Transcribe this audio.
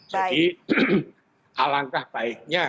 jadi alangkah baiknya